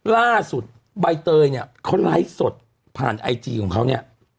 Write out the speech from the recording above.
ใบเตยเนี่ยเขาไลฟ์สดผ่านไอจีของเขาเนี่ย